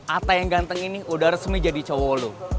ata yang ganteng ini udah resmi jadi cowo lo